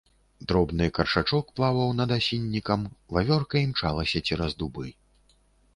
Дробны каршачок плаваў над асіннікам, вавёрка імчалася цераз дубы.